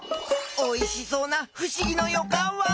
おいしそうなふしぎのよかんワオ！